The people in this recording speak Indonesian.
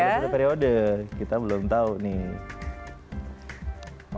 sudah satu periode kita belum tahu nih